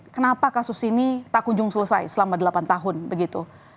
kenapa kasus ini tak kunjung selesai selama delapan tahun begitu